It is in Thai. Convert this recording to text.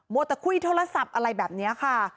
มวตเตอร์ครุยโทรศัพท์อะไรแบบนี้ค่ะ